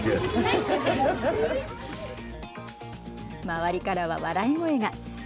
周りからは笑い声が。